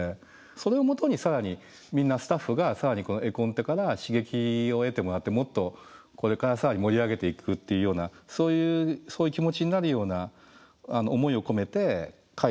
それをもとに更にみんなスタッフが更にこの絵コンテから刺激を得てもらってもっとこれから更に盛り上げていくっていうようなそういう気持ちになるような思いを込めて描いてますね。